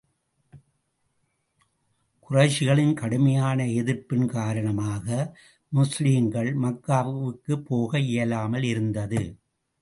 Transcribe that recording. குறைஷிகளின் கடுமையான எதிர்ப்பின் காரணமாக, முஸ்லிம்கள் மக்காவுக்குப் போக இயலாமல் இருந்தது.